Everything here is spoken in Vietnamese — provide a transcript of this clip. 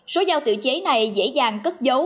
số giao tự chế này dễ dàng cất dấu